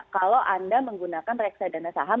kalau anda menggunakan reksadana saham